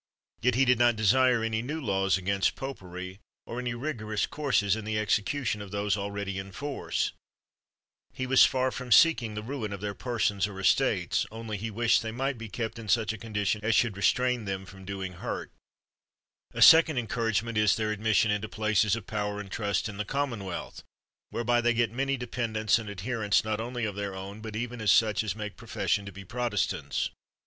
Yet he did not desire any new laws against popery, or any rig orous courses in the execution of those already m force he was far from seeking the rum of their persons or estates, only he wished they might be kept in such a condition as should restrain them from doing hurt. 55 THE WORLD'S FAMOUS ORATIONS A second encouragement is, their admission into places of power and trust in the Common wealth, whereby they get many dependents and adherents, not only of their own, but even of such as make profession to be Protestants.